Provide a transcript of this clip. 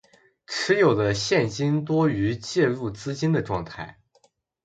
持有的现金多于借入资金的状态